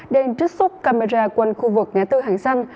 đang trích xúc camera quanh khu vực ngã tư hàng xanh